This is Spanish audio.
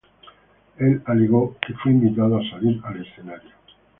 Él alegó que "fue invitado" a salir al escenario.